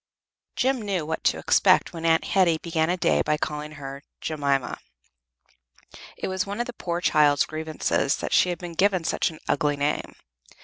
Jem knew what to expect when Aunt Hetty began a day by calling her "Jemima." It was one of the poor child's grievances that she had been given such an ugly name.